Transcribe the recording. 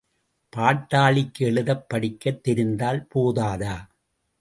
பாட்டாளிக்கு எழுதப் படிக்கத் தெரிந்தால் போதாதா?